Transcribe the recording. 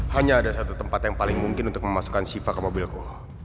hanya ada satu tempat yang paling mungkin untuk memasukkan shiva ke mobilku